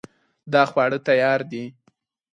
دا خواړه تیار دي